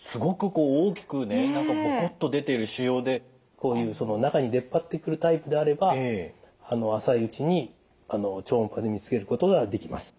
こういう中に出っ張ってくるタイプであれば浅いうちに超音波で見つけることができます。